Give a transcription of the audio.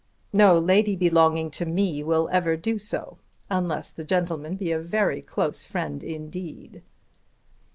"No lady belonging to me will ever do so, unless the gentleman be a very close friend indeed."